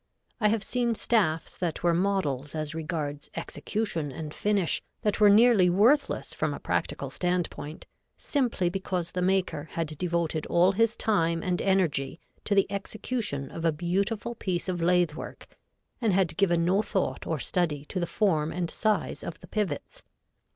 I have seen staffs that were models as regards execution and finish, that were nearly worthless from a practical standpoint, simply because the maker had devoted all his time and energy to the execution of a beautiful piece of lathe work, and had given no thought or study to the form and size of the pivots.